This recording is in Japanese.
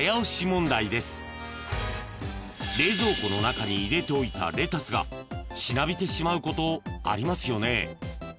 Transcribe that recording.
［冷蔵庫の中に入れておいたレタスがしなびてしまうことありますよね］